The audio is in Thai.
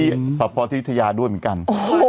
ที่ภาพพอธิทยาด้วยเหมือนกันโอ้โห